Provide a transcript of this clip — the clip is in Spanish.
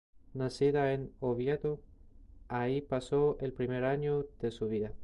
Nacida en Oviedo, allí pasó el primer año de su vida.